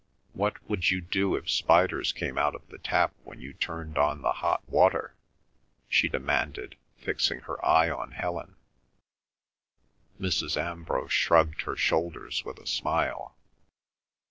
What would you do if spiders came out of the tap when you turned on the hot water?" she demanded, fixing her eye on Helen. Mrs. Ambrose shrugged her shoulders with a smile.